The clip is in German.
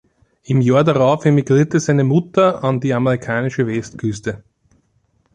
Im Jahr darauf emigrierte seine Mutter an die amerikanische Westküste.